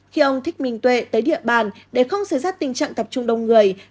khi ông thích minh tuệ tới địa bàn để không xây dắt tình trạng tập trung đông người